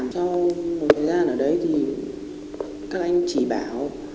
sau một thời gian ở đấy thì các anh chỉ bảo